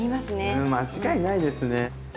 うん間違いないですね。